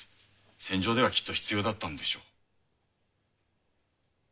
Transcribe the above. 戦場ではきっと必要だったのでしょう。